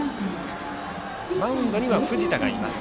マウンドには藤田がいます。